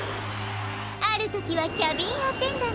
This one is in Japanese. あるときはキャビンアテンダント。